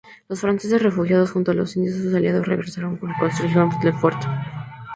Los franceses, refugiados junto a los indios, sus aliados, regresaron y reconstruyeron el fuerte.